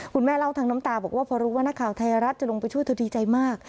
แม่เล่าทางน้ำตาบอกว่าพอรู้ว่านักข่าวไทยรัฐจะลงไปช่วยเธอดีใจมาก